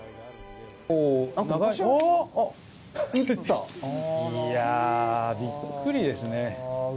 あー、いやぁ、びっくりですね。